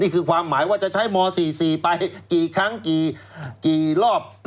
ความหมายว่าจะใช้ม๔๔ไปกี่ครั้งกี่รอบ